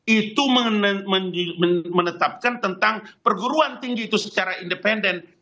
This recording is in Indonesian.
itu menetapkan tentang perguruan tinggi itu secara independen